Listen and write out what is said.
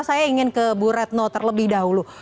saya ingin ke bu retno terlebih dahulu